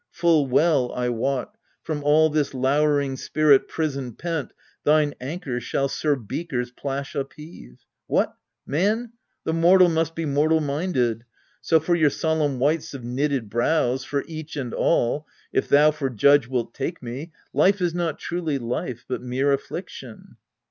Full well I wot, From all this lowering spirit prison pent Thine anchor shall Sir Beaker's plash upheave. What, man ! the mortal must be mortal minded. So, for your solemn wights of knitted brows, For each and all if thou for judge wilt take me Life is not truly life, but mere affliction.